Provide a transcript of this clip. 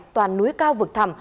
toàn núi cao vực thẳm